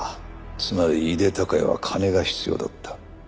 つまり井手孝也は金が必要だった。